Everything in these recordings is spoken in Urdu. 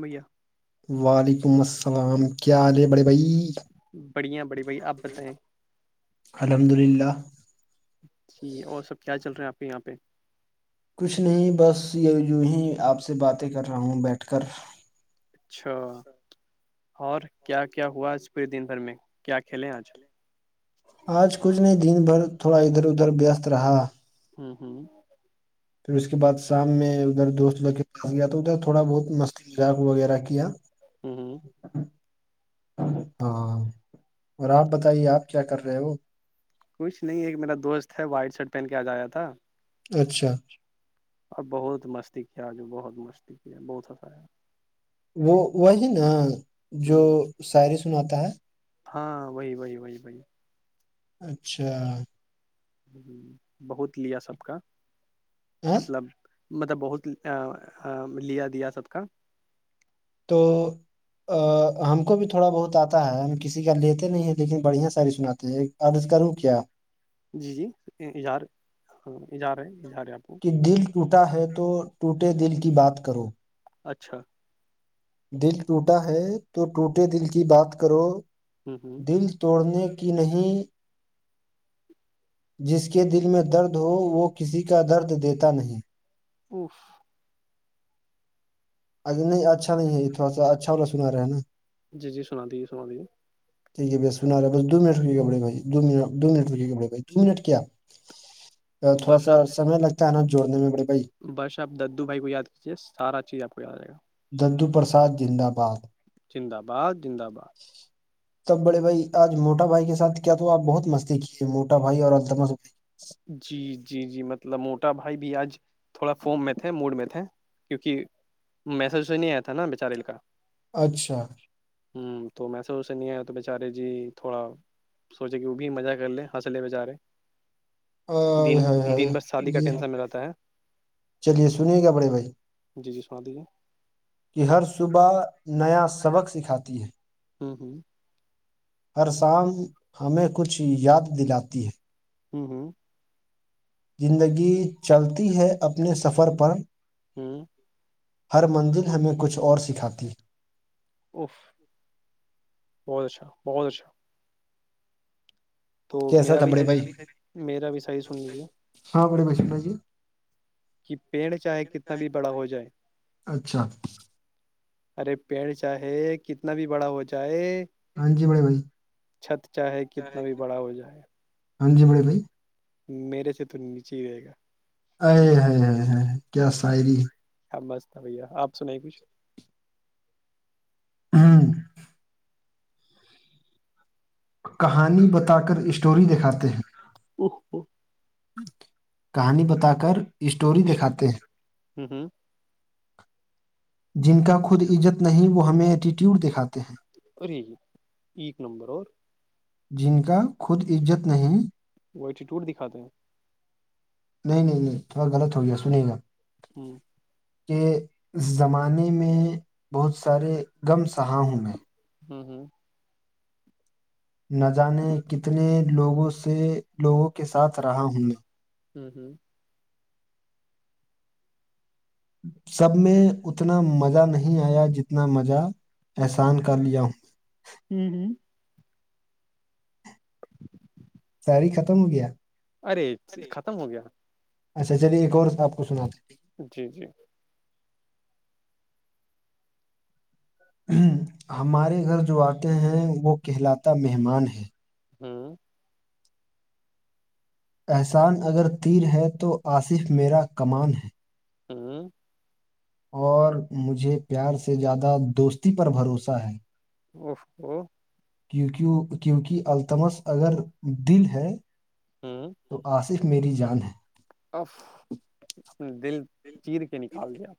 بھیا وعلیکم السلام کیا حال ہے بڑے بھائی بڑھیا بڑی بھائی آپ بتائیں الحمد للہ جی اور سب کیا چل رہے ہیں آپ کے یہاں پہ کچھ نہیں بس یہ وں ہی آپ سے باتیں کر رہا ہوں بیٹھ کر اچھا اور کیا کیا ہوا آج پورے دن بھر میں کیا کھیلے ہیں آج آج کچھ نہیں دن بھر تھوڑا ادھر ادھر وست رہا [unintelligible] ہوں ہوں [unintelligible] پھر اس کے بعد شام میں ادھر دوست لوگ کے پاس گیا تو ادھر تھوڑا بہت مسئلہ [unintelligible] شاق وغیرہ کیا [unintelligible] ہوں ہوں [unintelligible] ہاں اور آپ بتائیے آپ کیا کر رہے ہو کچھ نہیں ایک میرا دوست ہے وائٹ شرٹ پہن کے آ جایا تھا اچھا اب بہت مستی کیا آجو بہت مستی کیا ہے بہت ہنسایا وہ وہی نا جو ہ شاعری سناتا ہے ہاں وہی وہی وہی وہی اچھا ج بہت لیا سب کا ہاں مطلب [unintelligible] مطلب بہت لیا دیا سب کا تو [unintelligible] ہم کو بھی تھوڑا بہت آتا ہے ہم کسی کا لیتے نہیں ہیں لیکن بڑھیا ساری سناتے ہیں عرض کروں کیا جی جی اظہار ہاں اجہار ہے اظہار ہے آپ کو کہ دل ٹوٹا ہے تو ٹوٹے دل کی بات کرو اچھا [unintelligible] دل ٹوٹا ہے تو ٹوٹے دل کی بات کرو ہ دل توڑنے کی نہیں جس کے دل میں درد ہو وہ کسی کا درد دیتا نہیں اف اے نہیں اچھا نہیں ہے تھوا سا اچھا والا سنا رہا ہے نا جی جی سنا دیجیے سنا دیجیے ٹھیک ہے ب سنا رہے ب دو من رکے گڑے بھائی دو منٹ دو منٹ رک کے گڑے بھائی دو منٹ کیا تھوڑا بس سا آپ سمے لگتا ہے نا جوڑنے میں بڑے بھائی بس آپ ددو بھائی کو یاد کیجیے سارا چیز آپ کو یاد آے گا ددو پرساد زندباد زند آباد زند آباد تب بڑے بھائی آج موٹا بھائی کے سھ کیا تو آ بہت مستی کیے موٹا بھائی اور الدم جی جی جی مطلب موٹا بھائی بھی آج تھوڑا فون میں تھے موڈ میں تھے کیونکہ میسج سے نہیں آیا تھا نا بچارل کا اچھا ہوں تو میںس اسے نہیں آیا تو بیچارے جی تھوڑا سوچے کہ وہ بھی مزہ کر لیں حنسلے میں جا رہے ہ ہ بھر شادی کا ٹینشن میں رہتا ہے چلیے سنیے گ بڑے بھائی جی جی سنا دیجیے کہ ہر صبح نیا سبق سکھاتی ہے ہوں ہوں ہر شان ہمیں کچھ یاد دلاتی ہے ہوں ہوں زندگی چلتی ہے اپنے سفر پر ہوں ہر منزل ہمیں کچھ اور سکھاتی اف بہت اچھا بہت اچھا تو کیسا میرا تھا بھی بڑے بھائی میرا بھی سائز سن لیجیے ہاں گڑے بس جے کہ پیڑ چاہے کتنا بھی بڑا ہو جائے اچھا ارے پیڑ چاہے کتنا بھی بڑا ہو جائے ہاں جی بڑے بھائی چھت چاہے کتنا بھی بڑا ہو جائے ہاں ج مھے بھائی میرے سے تو نیچے ہی رہے گا ا ہے ہے ہے کیا شاعری ا بس بھیا آپ سنیں کچھ ہاں کہانی بتا کر اسٹوری دکھاتے ہیں او کہانی بتا کر اسٹوری دکھاتے ہیں ہوں ہوں جن کا خود عزت نہیں وہ ہمیں ایٹیٹیوڈ دکھاتے ہیں اور ج ایک نمبر اور جن کا خود عزت نہیں وہ ایٹیٹوٹ دکھاتے ہیں نہیں نہیں نہیں تھوڑا غلط ہو گیا سنے گا ہوں کہ اس زمانے میں بہت سارے غم سہا ہوں میں ہوں ہوں نہ جانے کتنے لوگوں سے لوگوں کے ساتھ رہا ہوں میں ہوں ہوں سب میں اتنا مزہ نہیں آیا جتنا مزہ احسان کر لیا ہوں ہوں ہ ساڑی ختم ہو گیا ارے ختم ہو گیا اچھا چلیے ایک اور آپ کو سنا د جی جی ہمارے گھر جو آتے ہیں وہ کہہلاتا مہمان ہے ہوں احسان اگر تیر ہے تو آصف میرا کمان ہے ہوں اور مجھے پیار سے زیادہ دوستی پر بھروسہ ہے او کیونک کیونکہ التمس اگر دل ہے ہوں تو آصف میری جان ہے اف دل چیر کے نکال دیا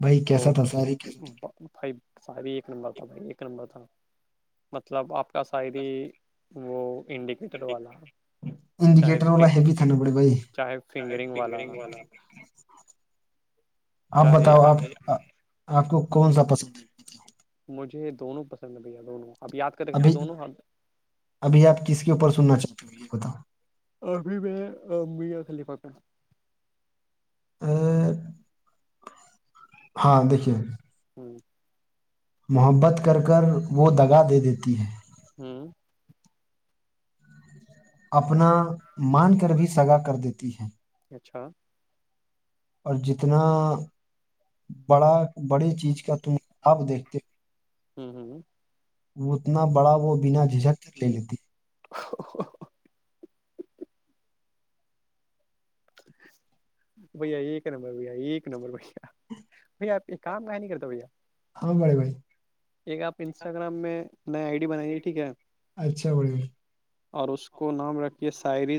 بھائی تو کیسا تھا ساری فائی شاعری ایک نمبر تھا بھائی ایک نمبر تھا مطلب آپ کا شاعری وہ انڈ ر والا چاہے انڈیکیٹر ف والا ہیوی تھا نا بڑے بھائی چاہے فنگررنگ والا آپ چاہے بتاؤ آپ آپ کو کون سا پسند ہے مجھے دونوں پسند ہے بھیا دونوں اب یاد کر ابھی رکھیے دونوں ابھی آپ کس کے اوپر سننا چاہتے ہو یہ بتاؤ ابھی میں میا خلیفہ پ ا ہاں دیکھیے ہوں محبت کر کر وہ دگا دے دیتی ہے ہوں اپنا مان کر بھی سگا کر دیتی ہے اچھا اور جتنا بڑا بڑے چیز کا تم آپ دیکھتے ہو ہوں ہوں وہ اتنا بڑا وہ بنا جھجک کر لے لیتی [unintelligible] بھیا ایک نمبر بھیا ایک نمبر بھیا بھ آپ یہ کام نہیں نہیں کرتا بھیا ہاں بے بھائی ایک آپ انسٹاگرام میں نیا آئی ڈی بنائیے ٹھیک ہے اچھا بڑے بھائی اور اس کو نام رکھ یہ ساعری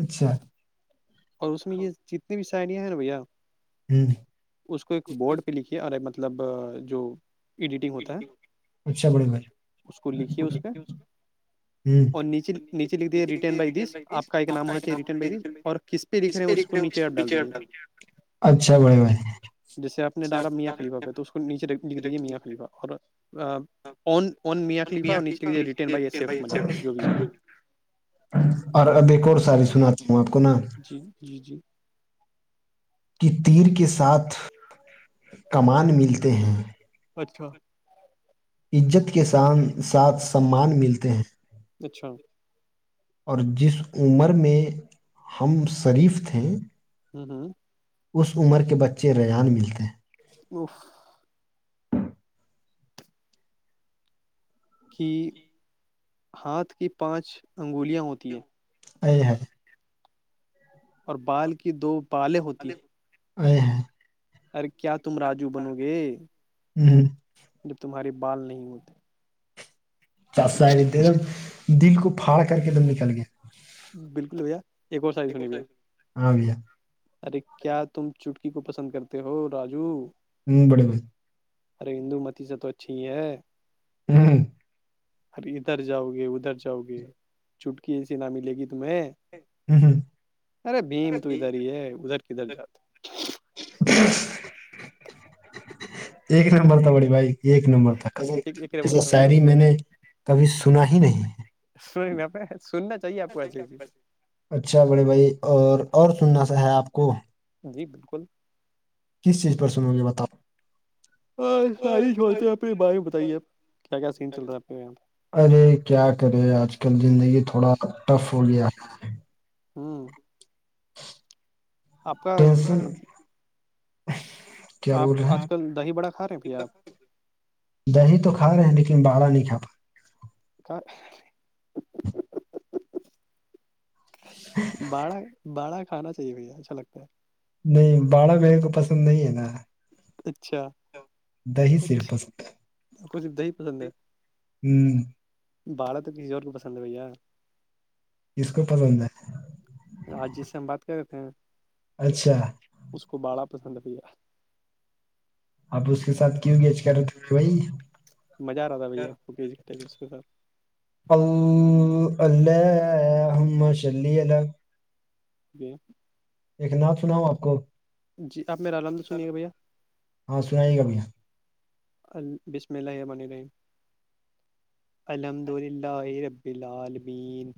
اچھا اور اس میں یہ جتنی بھی سائڈیاں ہیں نا بھیا ہوں اس کو ایک بورڈ پہ لکے ارے مطلب جو ایڈیٹنگ ہوتا ہے اچھا بڑے بھائی اس کو لکھیے اس پہ ہوں اور نیچے نیچے لکھ دییا رٹن بائی دس آپ کا ایک نام ہونا چاہیے ریٹرن بائی دس اور کس پہ دکھ رہے اس کو نیچے ہ ڈال دیجے اچھا بھے بھائی جیسے آ نے ڈالا میاں خلیفہ پہ تو اس کو نیچے لکھ دیجیے میاں خلیفہ اور ان میاں خلیفہ اور نیچجیے ریٹ بائیف منی جو بھی ہے اور اب ایک اور ساری سناتا ہوں آپ کو نا جی جی جی کی تیر کے ساتھ کمان ملتے ہیں اچھا عزت کے سھ ساتھ سمان ملتے ہیں اچھا اور جس عمر میں ہم شریف تھے ہ اس عمر کے بچے ریان ملتے ہیں ا کی ہاتھ کی پانچ انگولیاں ہوتی ہیں ا ہے اور بال کی دو بالیں ہوتی ہیں ا ہاں ارے کیا تم راجو بنو گے ہ جب تمہارے بال نہیں ہوتے چاا دم دل کو پھاڑ کر کے ایک دم نکل گیا بالکل بھیا ایک اور سائز سنی بھیا ہاں بھیا ارے کیا تم چٹکی کو پسند کرتے ہو راجو ہوں بڑی ب ارے ہندو متیزہ تو اچھی ہی ہے ہاں ارے ادھر جاؤ گے ادھر جاؤ گے چٹکی ای س نامی لے گی تمہیں ہوں۔ ارے بھیم تو ادھر ہی ہے ادھر کدھر جاتا ایک نمبر تھا بڑی بھائی ایک نمبر تک ایا ایسا بولتا میرے شاعری بھائی میں نے کبھی سنا ہی نہیں ہے سئی ن آپ سننے اچھا بڑے بھائی اور اور سنناا ہے آپ کو جی بالکل کس چیز پر سنو گے بتاؤ اور ساریھڑتے ہیں آ اپنے بارے میں بتائیے آپ کیا کیا سین چل رہا ہے آپ کے یہاں ارے کیا کرے آج کل زندگی تھوڑا ٹف ہو گیا ہے ہوں آپ کا ٹینشن م کیا بول رہے آپ ہیں آج کل دہی بڑا کھا رہے ہیں بھیا آپ دہی تو کھاے ہیں لیکن باڑا نہیں کھا پات کہ باڑا باڑا کھانا چاہیے بھیا اچھا لگتا ہے نہیں باڑا بغ کو پسند نہیں ہے نا اچھا دہی صرف اچھا پسند آپ کو س دہی پسند ہے ہے ہوں، باڑا تو کسی اور کو پسند ہے بھیا اس کو پسند ہے آاج جی سے ہم بات کرتے ہیں اچھا اس کو باڑا پسند بھی آپ اس کے ساتھ کیوں گیچ کر رہے تھ بھائی مزہ آ رہا تھا بھیا آ کو گھٹے اس کے ساتھ ا اللہ ہممشلی اللہ جی ایک ن سناؤ آپ کو جی آپ مالامد سنیے بھیا ہاں سنائیے گا بھیا ال بسم اللہیہ بنی رہی الحمد للہ ربی العالمین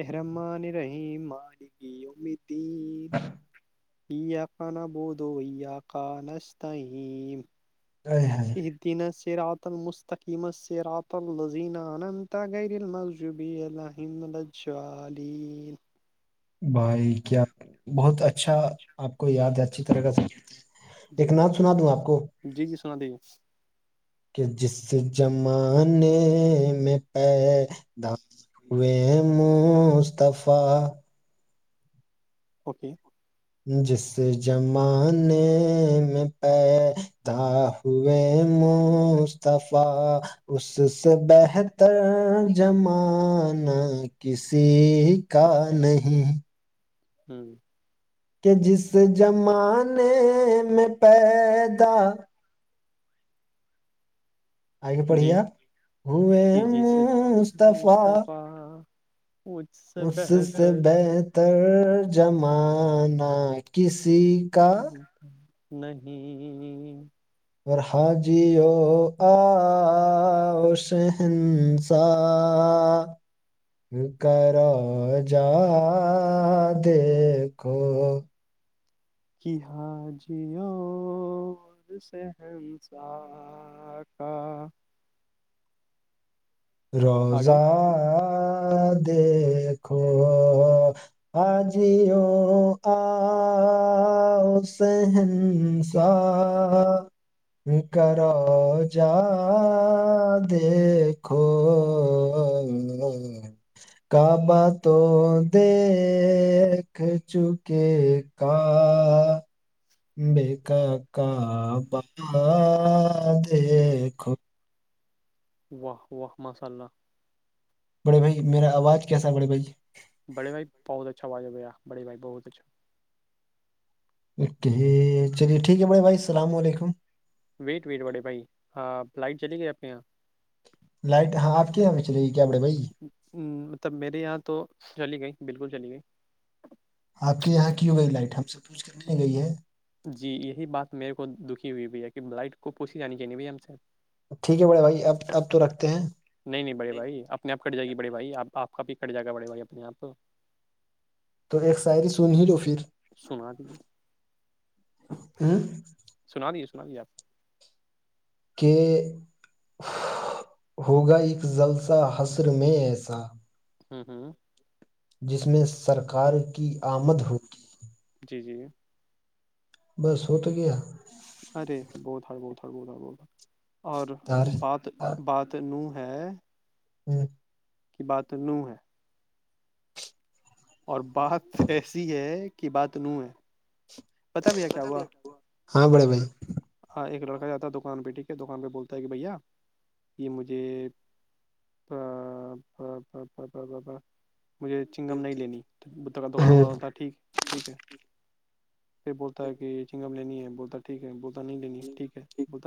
ارمان رہحیم ماری گی امیدین آ ک ن بہودو آ ک نستتحم ا ہ یہ دینس سے رات المستقیمت سے رۃ ال لذینہ اننتا گریل مضجب ع انلہجالین بھائی کیا بہت اچھا آپ کو یاد ہے اچھی طرح کا سب جی ایک نام سنا دوں آپ کو جی جی سنا دیے کہ جس زمانے میں پے د وی مصفی اوکے جس زمانے میں پ تھا ہوئے مستفی اس سے بہر تر زمانہ کسی کا نہیں ہوں کہ جس زمانے میں پیدا آگے جی پڑھیا کہ جس ہومصف مصطفی مجھ سے اس سے بہتر ب ترجمانہ کسی کا جچ نہیں ورحا جیو آش ہندس س کرا جا دیکھو کہ حاں جی ہاں خہنسا کا آگے روزہ دیکھو ہاجیو آ سحنسوا کرا جا دے ا کعبہ تو دیکھ چکے ک بےیک کابا دیکھو واہ واہ ماشا اللہ بڑے بھائی میرا آواز کیسا بڑے بھائی بڑے بھ بہت اچھا واجا گیا بڑ بائی بہت اچھا اک چلیے ٹھیک ہے بڑے بھائی السلام علیکم ویٹ ویٹ بڑے بھائی ہاں لائٹ چلی گئی آپ کے یہاں لائٹ ہاں آپ کے یہاں میں چلے گی کیا بڑے بھائی مطلب میرے یہاں تو چلی گئی بالکل چلی گئی آپ کے یہاں کیوں گئی لائٹ ہم سب کوچھ کرنے گئی ہے جی یہی بات میرے کو دکھی ہوئی بھیا کہ بائٹ کو پوچھ ہی جانی چاہیے بھیا ہم سے ٹھیک ہے بڑا بھائی اب آپ تو رکھتے ہیں نہیں نہیں بڑے بھائی اپنے آپ کٹ جائے گی بڑے بھائی آپ آپ کا بھی کٹ جائے گا بڑے بھائی اپنے آپ تو ایک شاعری سن ہی لو پھر سنا دیجیے ہ سنایے سنایے آپ کہ ہوگا ایک جلسہ شہر میں ہمم ہمم جس میں سرکار کی آمد ہوتی جی جی بس ہو تو گیا ارے بہت ہر بہت ہڑ بہت ہر بہت اور بات تار- بات [unintelligible] ہمم کی بات نو ہے اور بات ایسی ہے کہ بات نو ہے پتا بھیاکیا ہوا ہاں بڑے بھائی ہاں ایک لڑکا جاتا ہے دکان پہ ٹھیک ہے دکان پہ بولتا ہے کہ بھیا یہ مجھے [unintelligible] مجھے چنگم نہیں لینی تو دکان بلا دیتا تھا ٹھیک ٹھیک ہے پھر بولتا ہے کہ چنگم لینی ہے بولتا ہے ٹھیک ہے بولتا نہیں لینی ہے ٹھیک ہے بولتا